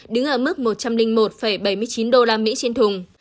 đứng ở mức một trăm linh một bảy mươi chín usd trên thùng